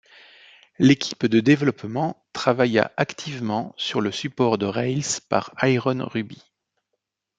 L'équipe de développement travailla activement sur le support de Rails par IronRuby.